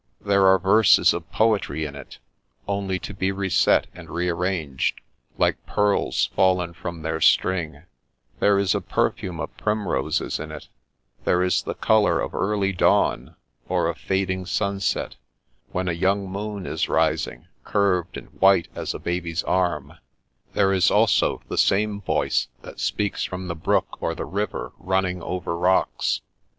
There are verses of poetry in it, only to be reset and rearranged, like pearls fallen from their string ; there is a perfume of primroses in it ; there is the colour of early dawn, or of fading sun set, when a young moon is rising, curved and white as a baby's arm; there is also the same voice that speaks from the brook or the river running over rocks.